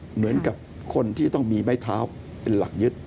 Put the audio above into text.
เหมือนกับคนที่ต้องมีไม้เท้าเป็นหลักยึด